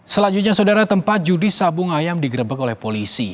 selanjutnya saudara tempat judi sabung ayam digerebek oleh polisi